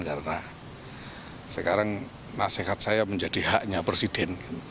karena sekarang nasihat saya menjadi haknya presiden